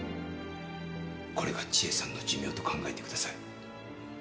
これが千恵さんの寿命と考えてください。